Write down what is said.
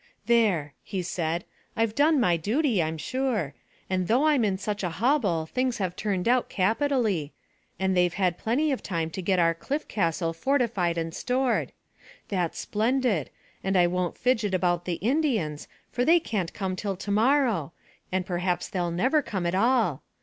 "There," he said, "I've done my duty, I'm sure, and though I'm in such a hobble things have turned out capitally, and they've had plenty of time to get our cliff castle fortified and stored. That's splendid, and I won't fidget about the Indians, for they can't come till to morrow, and perhaps they'll never come at all.